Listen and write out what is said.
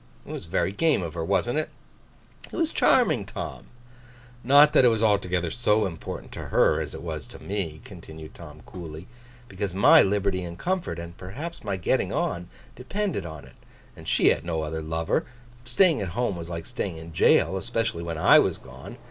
It was very game of her, wasn't it?' 'It was charming, Tom!' 'Not that it was altogether so important to her as it was to me,' continued Tom coolly, 'because my liberty and comfort, and perhaps my getting on, depended on it; and she had no other lover, and staying at home was like staying in jail—especially when I was gone.